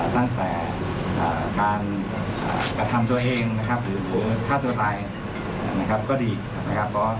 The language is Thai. ตั้งแต่การกระทำตัวเองนะครับหรือฆ่าตัวตายนะครับก็ดีนะครับ